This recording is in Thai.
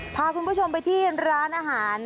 พาคุณผู้ชมไปที่ร้านอาหาร